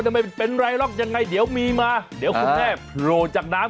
ไม่เป็นไรหรอกยังไงเดี๋ยวมีมาเดี๋ยวคุณแม่โผล่จากน้ำ